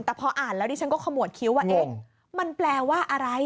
แต่พออ่านแล้วดิฉันก็ขมวดคิ้วว่าเอ๊ะมันแปลว่าอะไร